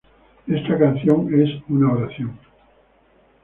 Esta canción es una oración.